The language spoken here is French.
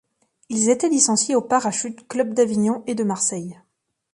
Ils étaient licenciés aux Parachute Club-d'Avignon et de Marseille.